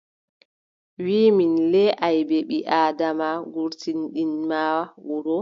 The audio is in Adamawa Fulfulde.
Wiʼu min le aybeeji ɓii- Aadama gurtinɗi ma wuro.